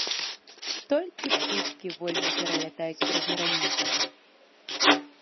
Толькі птушкі вольна пералятаюць праз граніцу.